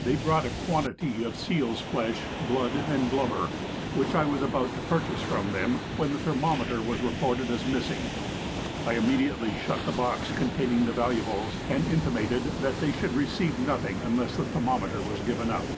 They brought a quantity of seal's flesh, blood, and blubber, which I was about to purchase from them when the thermometer was reported as missing. I immediately shut the box containing the valuables, and intimated that they should receive nothing unless the thermometer was given up.